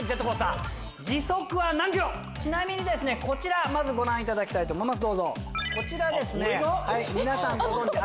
ちなみにこちらをまずご覧いただきたいと思います。